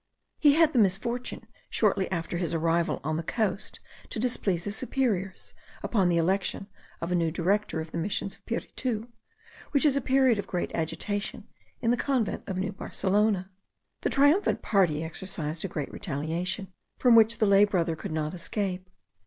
He had the misfortune shortly after his arrival on the coast to displease his superiors, upon the election of a new director of the Missions of Piritu, which is a period of great agitation in the convent of New Barcelona. The triumphant party exercised a general retaliation, from which the lay brother could not escape.